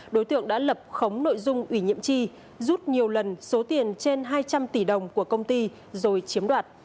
đối tượng đã lập khống nội dung ủy nhiệm chi rút nhiều lần số tiền trên hai trăm linh tỷ đồng của công ty rồi chiếm đoạt